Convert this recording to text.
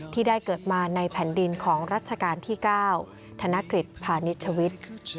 ที่ได้เกิดมาในแผ่นดินของรัชกาลที่๙ธนกฤษพาณิชวิทย์